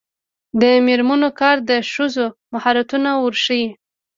د میرمنو کار د ښځو مهارتونه ورښيي.